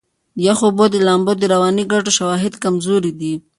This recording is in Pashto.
د یخو اوبو د لامبو د رواني ګټو شواهد کمزوري دي.